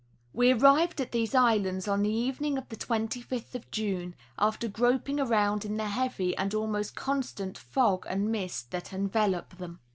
175 We arrived at these islands on the evening of the 25th of June, after groping around in the heavy and almost constant fog and mist that envelop them.